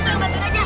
mulai bantuin aja